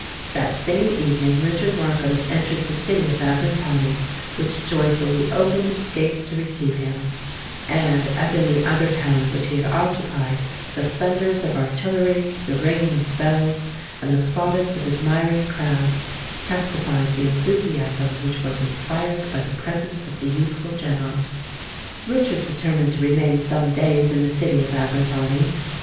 That same evening Richard Markham entered the city of Abrantani, which joyfully opened its gates to receive him; and, as in the other towns which he had occupied, the thunders of artillery, the ringing of bells, and the plaudits of admiring crowds testified the enthusiasm which was inspired by the presence of the youthful General. Richard determined to remain some days in the city of Abrantani.